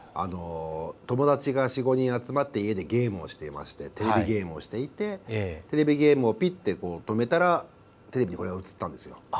友達が４５人集まってテレビゲームをしていましてテレビゲームをピッて止めたらテレビにこれが映ったんですよ。